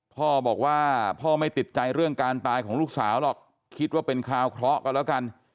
พ่อบอกว่าพ่อไม่ติดใจเรื่องการตายของลูกสาวหรอกคิดว่าเป็นคราวเคราะห์กันแล้วกัน